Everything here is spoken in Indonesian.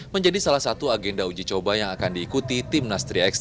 menjadi salah satu agenda uji coba yang akan diikuti timnas tiga x